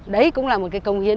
đấy cũng là một cái công hiến